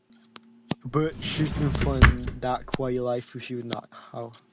But, she soon found the quiet life would not come easily for her.